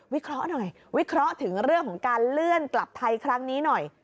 เคราะห์หน่อยวิเคราะห์ถึงเรื่องของการเลื่อนกลับไทยครั้งนี้หน่อย